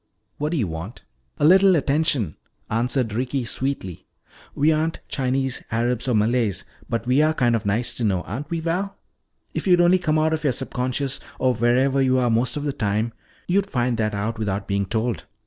"What do you want?" "A little attention," answered Ricky sweetly. "We aren't Chinese, Arabs, or Malays, but we are kind of nice to know, aren't we, Val? If you'd only come out of your subconscious, or wherever you are most of the time, you'd find that out without being told."